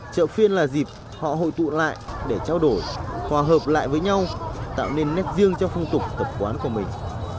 chợ phiên là dịp họ hội tụ lại để trao đổi hòa hợp lại với nhau tạo nên nét riêng cho phong tục tập quán của mình